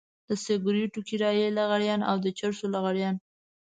د سګرټو کرايي لغړيان او د چرسو لغړيان.